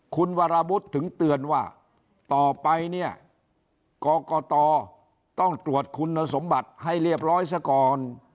คุณวรวุฒิถึงเตือนว่าต่อไปเนี่ยกรกตต้องตรวจคุณสมบัติให้เรียบร้อยซะก่อน